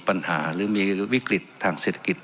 ปัญหาหรือมีวิกฤตทางเศรษฐกิจ